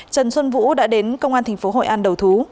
trần xuân vũ đã đến công an thành phố hội an đầu thú